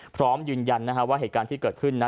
พร้อมยืนยันว่าเหตุการณ์ที่เกิดขึ้นนั้น